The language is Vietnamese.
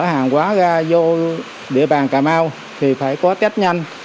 chở hàng quá ra vô địa bàn cà mau thì phải có tét nhanh